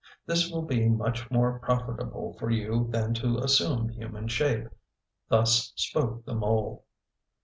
This will be much more profitable for you than to assume human shape." Thus spoke the mole.